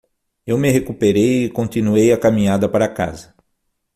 Eu me recuperei e continuei a caminhada para casa.